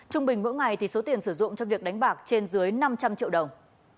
trung bình mỗi ngày thì số tiền sử dụng cho việc đánh bạc trên dưới năm trăm linh triệu đồng